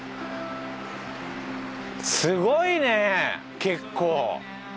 すごいね結構。